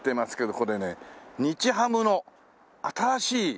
これね日ハムの新しい球場。